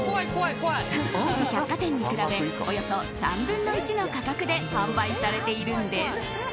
大手百貨店に比べおよそ３分の１の価格で販売されているんです。